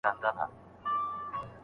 دوی باید د څېړني لپاره ښه کتابونه ولولي.